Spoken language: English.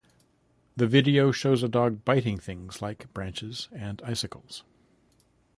The video shows a dog biting things like branches and icicles.